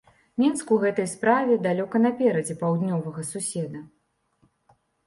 Мінск у гэтай справе далёка наперадзе паўднёвага суседа.